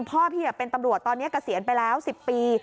พ่อพี่เป็นตำรวจตอนนี้เกษียณไปแล้ว๑๐ปี